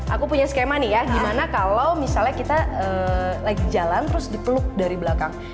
aku punya skema nih ya gimana kalau misalnya kita lagi jalan terus dipeluk dari belakang